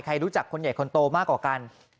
รู้จักคนใหญ่คนโตมากกว่ากัน